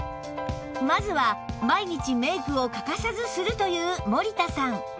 まずは毎日メイクを欠かさずするという森田さん